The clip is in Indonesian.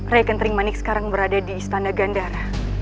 rai kentering manik sekarang berada di istana gandara